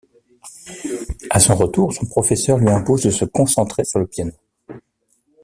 À son retour, son professeur lui impose de se concentrer sur le piano.